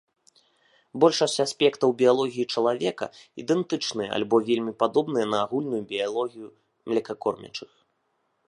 Большасць аспектаў біялогіі чалавека ідэнтычныя альбо вельмі падобныя на агульную біялогію млекакормячых.